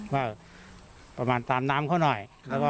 ว่าประมาณตามน้ำเขาหน่อย